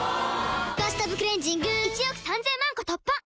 「バスタブクレンジング」１億３０００万個突破！